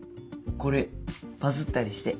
これバズったりして。